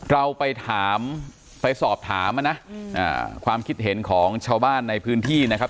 เราไปถามไปสอบถามนะความคิดเห็นของชาวบ้านในพื้นที่นะครับ